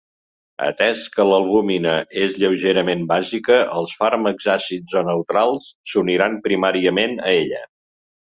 Atès que l'albúmina és lleugerament bàsica, els fàrmacs àcids o neutrals s'uniran primàriament a ella.